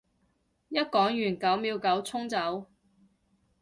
一講完九秒九衝走